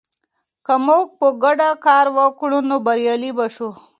که موږ په ګډه کار وکړو، نو بریالي به شو.